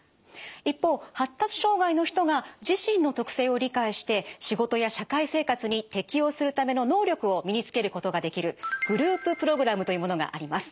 一方発達障害の人が自身の特性を理解して仕事や社会生活に適応するための能力を身につけることができるグループプログラムというものがあります。